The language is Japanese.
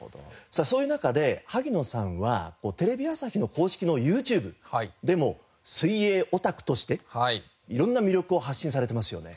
さあそういう中で萩野さんはテレビ朝日の公式のＹｏｕＴｕｂｅでも水泳オタクとして色んな魅力を発信されてますよね。